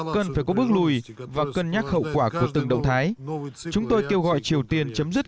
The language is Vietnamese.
cần phải có bước lùi và cân nhắc hậu quả của từng động thái chúng tôi kêu gọi triều tiên chấm dứt